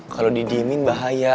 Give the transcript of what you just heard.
kalo didiemin bahaya